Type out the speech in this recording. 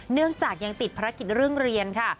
เนื่องจากยังติดภารกิจเรื่องเรียนค่ะ